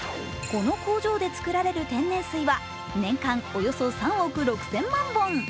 この工場で作られる天然水は年間およそ３億６０００万本。